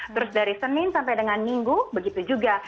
terus dari senin sampai dengan minggu begitu juga